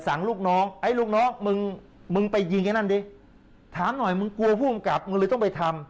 ลูกน้องไอ้ลูกน้องมึงมึงไปยิงไอ้นั่นดิถามหน่อยมึงกลัวผู้กำกับมึงเลยต้องไปทำ